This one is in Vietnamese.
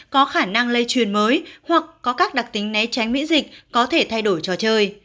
có khả năng lây truyền mới hoặc có các đặc tính né tránh miễn dịch có thể thay đổi trò chơi